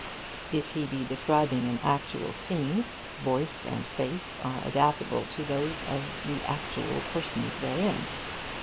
If he be describing an actual scene, voice and face are adaptable to those of the actual persons therein.